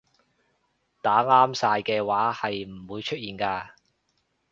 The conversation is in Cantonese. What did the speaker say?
打啱晒嘅話係唔會出現㗎